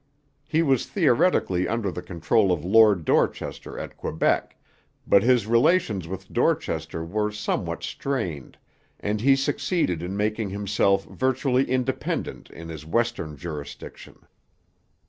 He was theoretically under the control of Lord Dorchester at Quebec; but his relations with Dorchester were somewhat strained, and he succeeded in making himself virtually independent in his western jurisdiction.